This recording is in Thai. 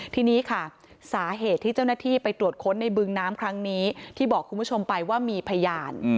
ทีนี้ค่ะสาเหตุที่เจ้าหน้าที่ไปตรวจค้นในบึงน้ำครั้งนี้ที่บอกคุณผู้ชมไปว่ามีพยาน